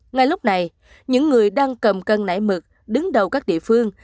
ngay lúc này những người đang cầm cân nảy mực đứng đầu các địa phương